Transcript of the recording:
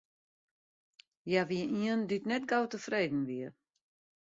Hja wie ien dy't net gau tefreden wie.